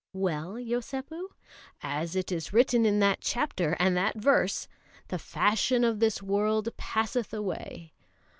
"Well, Yosépu?" "As it is written in that chapter, and that verse: 'The fashion of this world passeth away.'